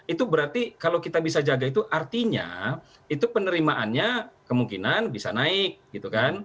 itu berarti kalau kita bisa jaga itu artinya itu penerimaannya kemungkinan bisa naik gitu kan